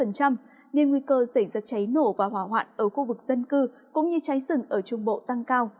nên nguy cơ sẽ giật cháy nổ và hỏa hoạn ở khu vực dân cư cũng như cháy sừng ở trung bộ tăng cao